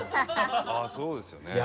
「ああそうですよね。